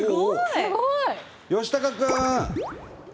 すごい！吉孝君！